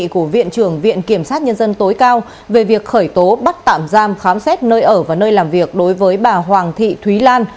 của viện trưởng viện kiểm sát nhân dân tối cao về việc khởi tố bắt tạm giam khám xét nơi ở và nơi làm việc đối với bà hoàng thị thúy lan